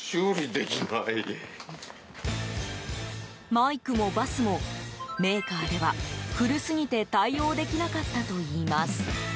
マイクもバスもメーカーでは古すぎて対応できなかったといいます。